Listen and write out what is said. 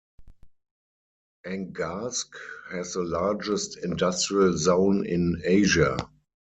Angarsk has the largest industrial zone in Asia.